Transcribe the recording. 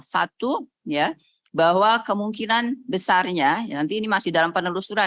satu ya bahwa kemungkinan besarnya nanti ini masih dalam penelusuran